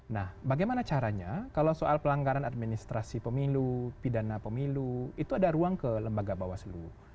nah bagaimana caranya kalau soal pelanggaran administrasi pemilu pidana pemilu itu ada ruang ke lembaga bawaslu